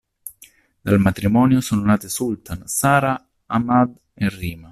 Dal matrimonio sono nati Sultan, Sarah, Ahmad e Rima.